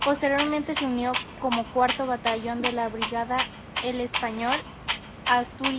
Posteriormente se unió, como cuarto batallón de la brigada, el español "Asturias-Heredia".